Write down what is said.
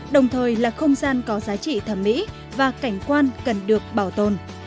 đồng thời là không gian có giá trị thẩm mỹ và cảnh quan cần được bảo tồn